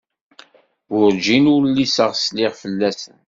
Werǧin uliseɣ sliɣ fell-asen.